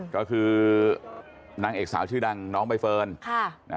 ก็คือนางเอกสาวชื่อดังน้องใบเฟิร์น